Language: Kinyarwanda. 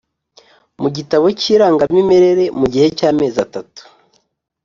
Mu gitabo cy Irangamimerere mu gihe cy amezi atatu